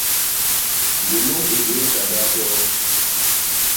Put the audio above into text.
Ñgôlôñ i gwéé ntandaa joo.